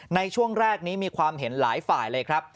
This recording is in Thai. ในช่วงแรกนี้มีความเห็นหลายฝ่ายเลยครับ